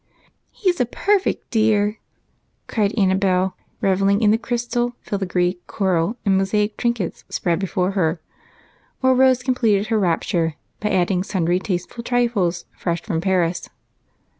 "He's a perfect dear!" cried Annabel, reveling in the crystal, filigree, coral, and mosaic trinkets spread before her while Rose completed her rapture by adding sundry tasteful trifles fresh from Paris.